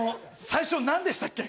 最初何でしたっけ？